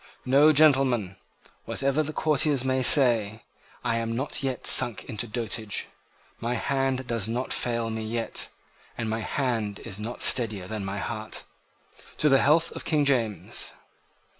"No, gentlemen; whatever the courtiers may say, I am not yet sunk into dotage. My hand does not fail me yet: and my hand is not steadier than my heart. To the health of King James!"